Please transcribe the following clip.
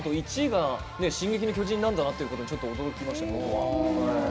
１位が進撃の巨人なんだなっていうところがちょっと驚きましたね。